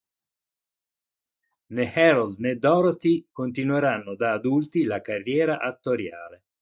Né Harold né Dorothy continueranno da adulti la carriera attoriale.